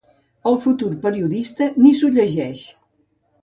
El futur periodista ni s'ho llegeix.